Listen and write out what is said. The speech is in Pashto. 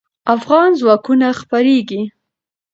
افغان ځواکونه خپرېږي.